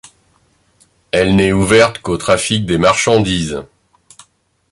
Elle n'est ouverte qu'au trafic des marchandises.